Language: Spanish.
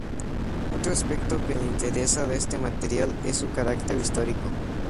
Otro aspecto que le interesa de este material es su carácter histórico.